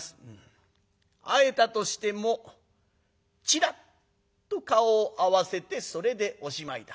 「会えたとしてもちらっと顔を合わせてそれでおしまいだ。